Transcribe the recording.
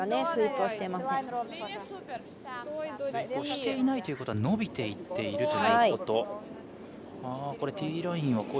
スイープをしていないということは伸びていっているということ。